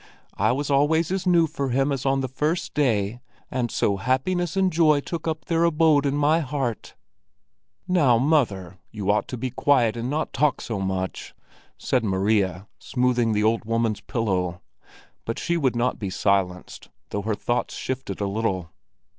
I was always as new for him as on the first day, and so happiness and joy took up their abode in my heart." "Now, mother, you ought to be quiet and not talk so much!" said Maria, smoothing the old woman's pillow. But she would not be silenced, though her thoughts shifted a little.